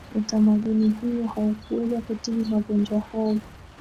utamaduni huo haukuweza kutibu magonjwa hayo